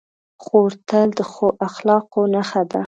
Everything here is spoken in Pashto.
خور تل د ښو اخلاقو نښه ده.